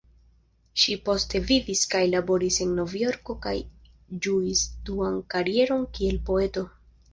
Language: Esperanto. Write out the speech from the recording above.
Ŝi poste vivis kaj laboris en Novjorko kaj ĝuis duan karieron kiel poeto.